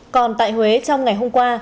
còn tại huế trong ngày hôm qua